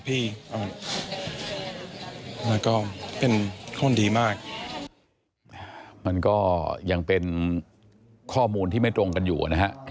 แล้วก็เป็นคนดีมากมันก็ยังเป็นข้อมูลที่ไม่ตรงกันอยู่นะฮะ